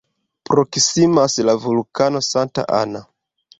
Proksimas la vulkano "Santa Ana".